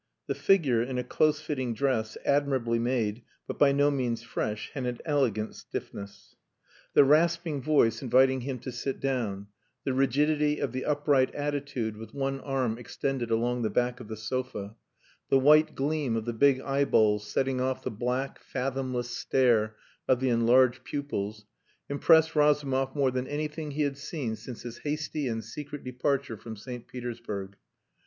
The figure, in a close fitting dress, admirably made, but by no means fresh, had an elegant stiffness. The rasping voice inviting him to sit down; the rigidity of the upright attitude with one arm extended along the back of the sofa, the white gleam of the big eyeballs setting off the black, fathomless stare of the enlarged pupils, impressed Razumov more than anything he had seen since his hasty and secret departure from St. Petersburg.